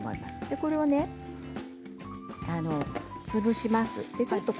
これを潰します。